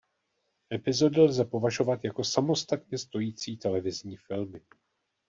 Epizody lze považovat jako samostatně stojící televizní filmy.